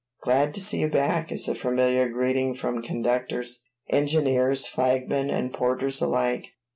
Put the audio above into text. "Glad to see you back," is a familiar greeting from conductors, engineers, flagmen, and porters alike.